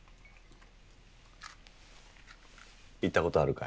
行ったことあるかい。